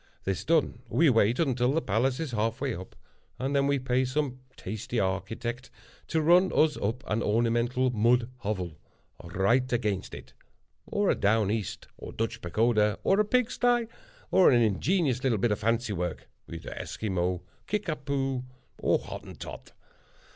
This done, we wait until the palace is half way up, and then we pay some tasty architect to run us up an ornamental mud hovel, right against it; or a Down East or Dutch Pagoda, or a pig sty, or an ingenious little bit of fancy work, either Esquimau, Kickapoo, or Hottentot.